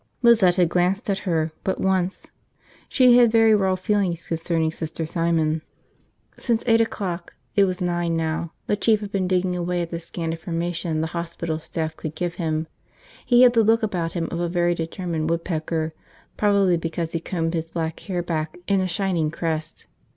Lizette had glanced at her but once. She had very raw feelings concerning Sister Simon. Since eight o'clock – it was nine now – the Chief had been digging away at the scant information the hospital staff could give him. He had the look about him of a very determined woodpecker, probably because he combed his black hair back in a shining crest.